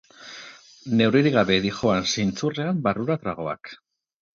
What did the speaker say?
Neurririk gabe dihoan zintzurrean barrura tragoak.